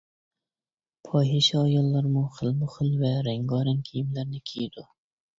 پاھىشە ئاياللارمۇ خىلمۇخىل ۋە رەڭگارەڭ كىيىملەرنى كىيىدۇ.